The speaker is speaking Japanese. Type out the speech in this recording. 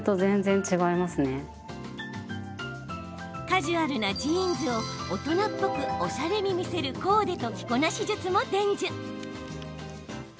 カジュアルなジーンズを大人っぽくおしゃれに見せるコーデと着こなし術も伝授。